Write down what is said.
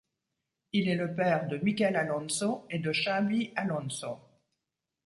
Il est le père de Mikel Alonso et de Xabi Alonso.